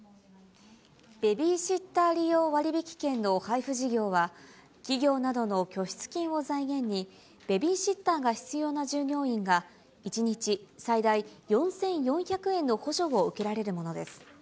ベビーシッター利用割引券の配布事業は、企業などの拠出金を財源に、ベビーシッターが必要な従業員が、１日最大４４００円の補助を受けられるものです。